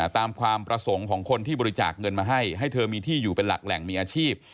ความประสงค์ของคนที่บริจาคเงินมาให้ให้เธอมีที่อยู่เป็นหลักแหล่งมีอาชีพ